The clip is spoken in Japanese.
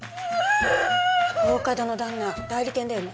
大加戸の旦那代理店だよね？